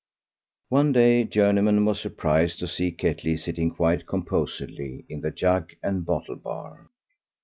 One day Journeyman was surprised to see Ketley sitting quite composedly in the jug and bottle bar.